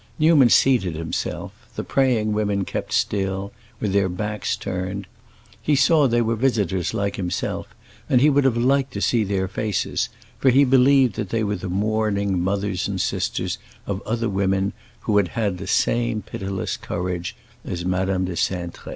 Newman seated himself; the praying women kept still, with their backs turned. He saw they were visitors like himself and he would have liked to see their faces; for he believed that they were the mourning mothers and sisters of other women who had had the same pitiless courage as Madame de Cintré.